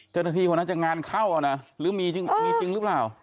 เจ้าหน้าที่คนนั้นจะงานเข้านะหรือมีจริงหรือเปล่า